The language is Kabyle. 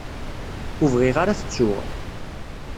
Ur bɣiɣ ara ad t-ttuɣ.